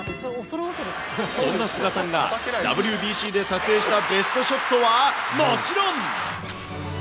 そんな菅さんがＷＢＣで撮影したベストショットはもちろん。